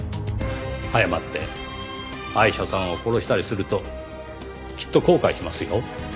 早まってアイシャさんを殺したりするときっと後悔しますよ。